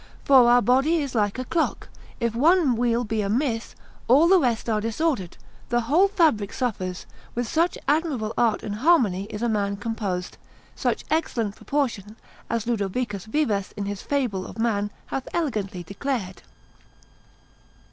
For our body is like a clock, if one wheel be amiss, all the rest are disordered; the whole fabric suffers: with such admirable art and harmony is a man composed, such excellent proportion, as Ludovicus Vives in his Fable of Man hath elegantly declared.